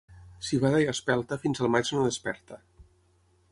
Civada i espelta fins al maig no desperta.